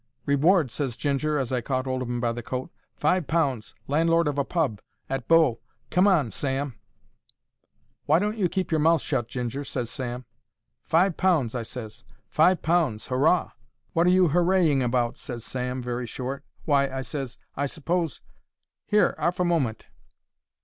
"Reward," ses Ginger, as I caught 'old of 'im by the coat. "Five pounds —landlord of a pub—at Bow—come on, Sam!" "Why don't you keep your mouth shut, Ginger?" ses Sam. "Five pounds!" I ses. "Five pounds! Hurrah!" "Wot are you hurraying about?" ses Sam, very short. "Why," I ses, "I s'pose——Here, arf a moment!"